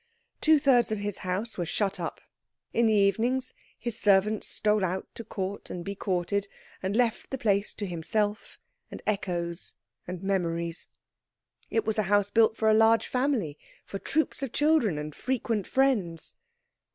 Two thirds of his house were shut up. In the evenings his servants stole out to court and be courted, and left the place to himself and echoes and memories. It was a house built for a large family, for troops of children, and frequent friends.